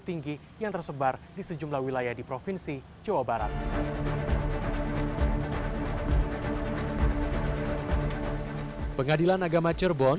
tinggi yang tersebar di sejumlah wilayah di provinsi jawa barat pengadilan agama cirebon